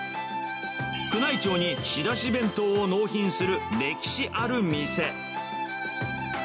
宮内庁に仕出し弁当を納品する歴史ある店。